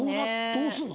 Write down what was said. どうするの？